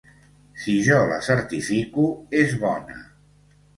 Si jo la certifico, és bona.